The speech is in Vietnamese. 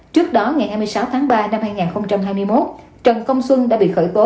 trước đó ngày hai mươi sáu tháng ba năm hai nghìn hai mươi một trần công xuân đã bị khởi tố